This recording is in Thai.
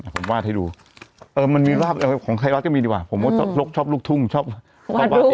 ผมวาดให้ดูเออมันมีรูปภาพของใครวาดก็มีดีกว่าผมว่าชอบลูกทุ่งชอบวาดลูกวาดลูก